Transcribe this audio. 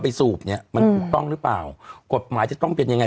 สูบเนี้ยมันถูกต้องหรือเปล่ากฎหมายจะต้องเป็นยังไง